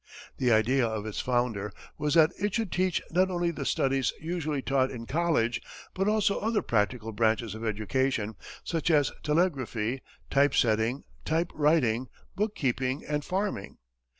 The idea of its founder was that it should teach not only the studies usually taught in college, but also other practical branches of education, such as telegraphy, type setting, type writing, book keeping, and farming.